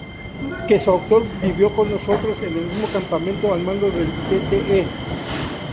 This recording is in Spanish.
Que su autor vivió con nosotros en el mismo campamento al mando del Tte.